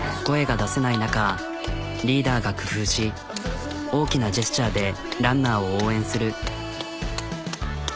声が出せない中リーダーが工夫し大きなジェスチャーでランナーを応援する。